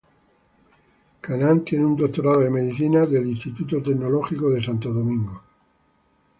Canaán tiene un Doctorado de Medicina del Instituto Tecnológico de Santo Domingo.